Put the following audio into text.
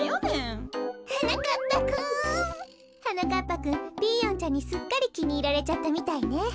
ぱくんピーヨンちゃんにすっかりきにいられちゃったみたいね。